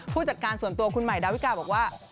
ผู้จัดการส่วนตัวคุณใหม่ดาวิกาบอกว่า